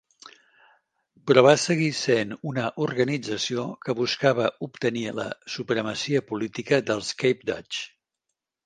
Però va seguir sent una organització que buscava obtenir la supremacia política dels Cape Dutch.